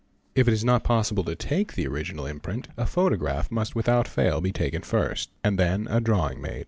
If it is not possible to take the original imprint, a photograph must — without fail be taken first, and then a drawing made.